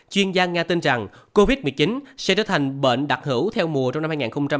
chuyên gia nga tin rằng covid một mươi chín sẽ trở thành bệnh đặc hữu theo mùa trong năm hai nghìn hai mươi